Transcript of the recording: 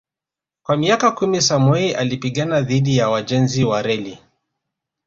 Kwa miaka kumi Samoei alipigana dhidi ya wajenzi wa reli